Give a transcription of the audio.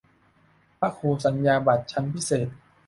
พระครูสัญญาบัตรชั้นพิเศษ